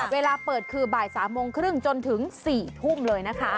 เวลาเปิดคือบ่าย๓โมงครึ่งจนถึง๔ทุ่มเลยนะคะ